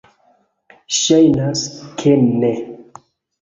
Ŝajnas ke ne.